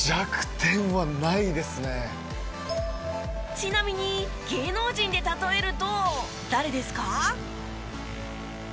ちなみに芸能人で例えると誰ですか？